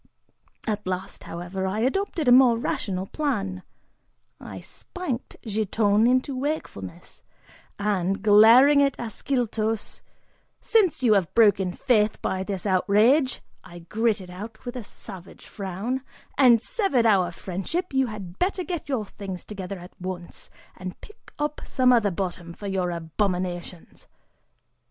At last, however, I adopted a more rational plan; I spanked Giton into wakefulness, and, glaring at Ascyltos, "Since you have broken faith by this outrage," I gritted out, with a savage frown, "and severed our friendship, you had better get your things together at once, and pick up some other bottom for your abominations!"